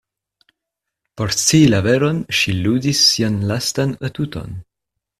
Por scii la veron, ŝi ludis sian lastan atuton.